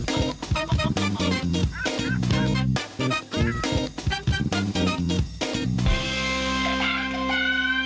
กำลังใจนะคะสู้นะคะ